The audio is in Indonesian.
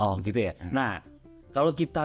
nah kalau kita bicara tentang